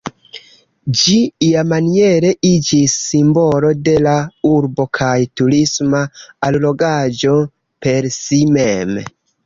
Ĝi iamaniere iĝis simbolo de la urbo kaj turisma allogaĵo per si mem.